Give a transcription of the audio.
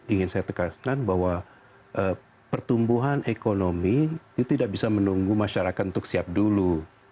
ingin saya tegaskan bahwa pertumbuhan ekonomi itu tidak bisa menunggu masyarakat untuk siap dulu